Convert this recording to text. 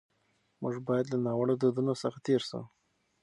موږ باید له ناوړه دودونو څخه تېر سو.